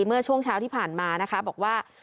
เมื่อช่วงเช้าที่ผ่านมานะคะบอกว่า